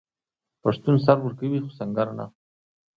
پښتون سر ورکوي خو سنګر نه.